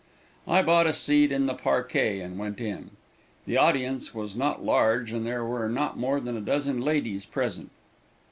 I bought a seat in the parquet and went in. The audience was not large and there were not more than a dozen ladies present.